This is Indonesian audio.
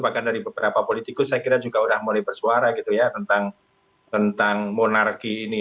bahkan dari beberapa politikus saya kira juga sudah mulai bersuara gitu ya tentang monarki ini